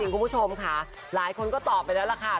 คุณผู้ชมค่ะหลายคนก็ตอบไปแล้วล่ะค่ะ